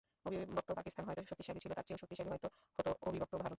অবিভক্ত পাকিস্তান হয়তো শক্তিশালী ছিল, তার চেয়েও শক্তিশালী হয়তো হতো অবিভক্ত ভারত।